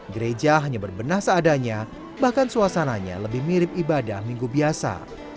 gereja hanya berbenah seadanya bahkan suasananya lebih mirip ibadah minggu biasa